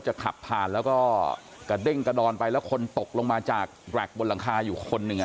จะขับผ่านแล้วก็กระเด้งกระดอนไปแล้วคนตกลงมาจากแร็กบนหลังคาอยู่คนหนึ่ง